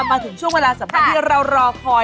มาถึงช่วงเวลาสำคัญที่เรารอคอย